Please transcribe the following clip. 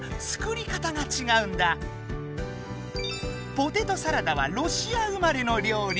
ポテトサラダはロシア生まれの料理。